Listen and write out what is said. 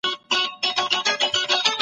شهیدانو ته درناوی کیده.